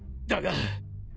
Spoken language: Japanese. だが。